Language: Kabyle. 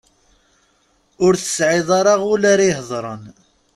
Ur tesɛi ara ul ara ihedren.